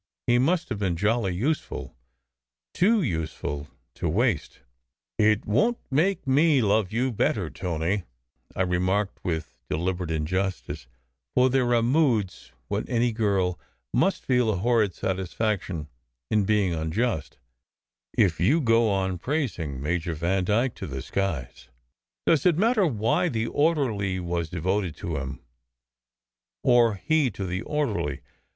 He must have been jolly useful too useful to waste." 144 SECRET HISTORY "It won t make me love you better, Tony," I remarked with deliberate injustice (for there are moods when any girl must feel a horrid satisfaction in being unjust), "if you go on praising Major Vandyke to the skies. Does it matter why the orderly was devoted to him, or he to the orderly?